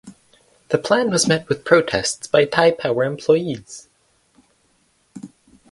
The plan was met with protests by Taipower employees.